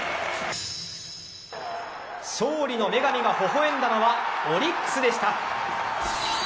勝利の女神がほほ笑んだのはオリックスでした。